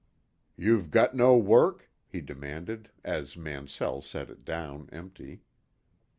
"You've got no work?" he demanded, as Mansell set it down empty.